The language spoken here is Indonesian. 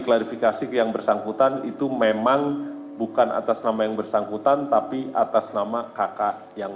klarifikasi ke yang bersangkutan itu memang bukan atas nama yang bersangkutan tapi atas nama kakak yang